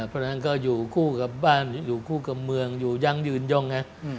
เพราะฉะนั้นก็อยู่คู่กับบ้านอยู่คู่กับเมืองอยู่ยังยืนย่องไง